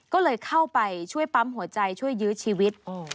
ก็เลยเข้าไปช่วยปั๊มหัวใจช่วยยื้อชีวิต